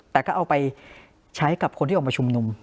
แต่ก็เอาไปใช้กับคนที่ออกมาชุมนุม